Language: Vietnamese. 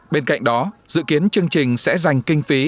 bên cạnh đó dự kiến chương trình sẽ dành kinh phí